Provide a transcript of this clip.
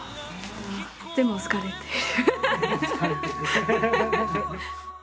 でも疲れてる。